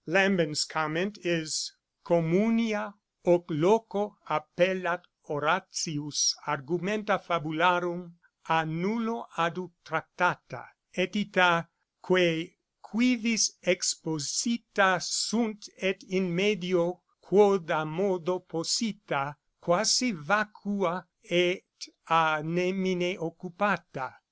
Lambin's Comment is, '_Communia hoc loco appellat Horatius argumenta fabularum à nullo adhuc tractata: et ita, quae cuivis exposita sunt et in medio quodammodo posita, quasi vacua et à nemine occupata_.'